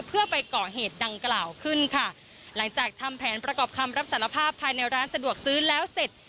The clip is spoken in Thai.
เพื่อไปก่อเหตุดังกล่าวขึ้นค่ะหลังจากทำแผนประกอบคำรับสารภาพภายในร้านสะดวกซื้อแล้วเสร็จ